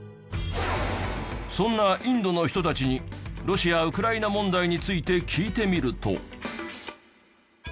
そんなインドの人たちにロシア・ウクライナ問題について聞いてみると。